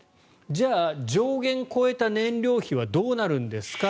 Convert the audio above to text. じゃあ、上限超えた燃料費はどうなるんですか。